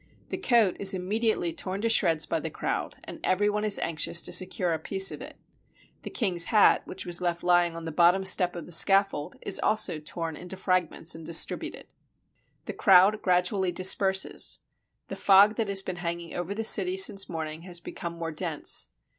The coat is immediately torn to shreds by the crowd, and every one is anxious to secure a piece of it. The king's hat, which was left lying on the bottom step of the scaffold, is also torn into fragments and distributed. The crowd gradually disperses. The fog that has been hanging over the city since morning has become more dense.